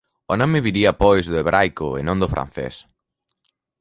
O nome viría pois do hebraico e non do francés.